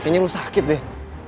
kayaknya lo sakit deh